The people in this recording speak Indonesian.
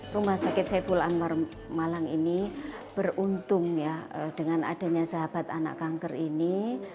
rumah sakit saiful anwar malang ini beruntung ya dengan adanya sahabat anak kanker ini